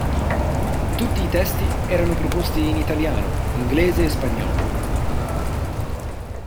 Tutti i testi erano proposti in italiano, inglese e spagnolo.